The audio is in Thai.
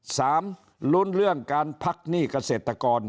สามลุ้นเรื่องการพักหนี้เกษตรกร